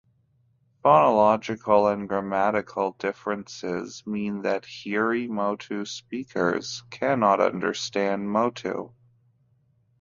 Phonological and grammatical differences mean that Hiri Motu speakers cannot understand Motu.